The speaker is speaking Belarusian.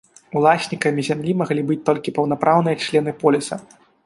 Уласнікамі зямлі маглі быць толькі паўнапраўныя члены поліса.